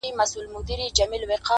هر ماښام به رنگ په رنگ وه خوراكونه!!